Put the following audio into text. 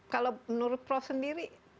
kalau menurut prof sendiri